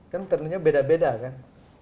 kan tentunya beda beda kan